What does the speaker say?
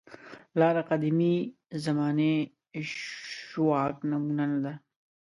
لاره قدیمې زمانې ژواک نمونه نه ده.